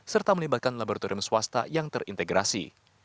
serta melibatkan laboratorium swasta yang terintegrasi